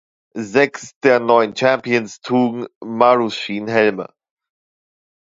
Sechs der neun Champions trugen "Marushin"-Helme.